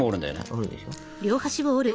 折るでしょ。